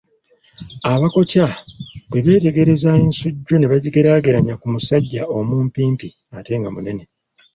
Abaakoca bwe beetegereza ensujju ne bagigeraageranya ku musajja omumpimpi ate nga munene.